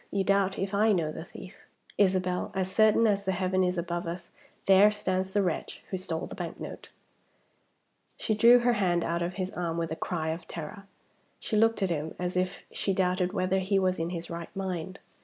You doubt if I know the thief. Isabel! as certainly as the heaven is above us, there stands the wretch who stole the bank note!" She drew her hand out of his arm with a cry of terror. She looked at him as if she doubted whether he was in his right mind.